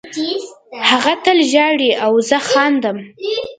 هغه تل ژاړي او زه خاندم